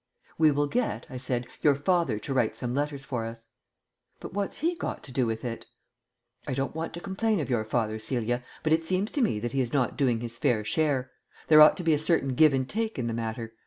"We will get," I said, "your father to write some letters for us." "But what's he got to do with it?" "I don't want to complain of your father, Celia, but it seems to me that he is not doing his fair share. There ought to be a certain give and take in the matter.